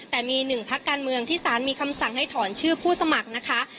แต่มีหนึ่งพักการเมืองที่สารมีคำสั่งให้ถอนชื่อผู้สมัครนะคะ